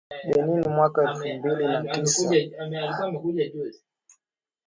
Benin mwaka elfu mbili na saba ambapo pia alifanikiwa kukutana na wasanii wengine wakubwa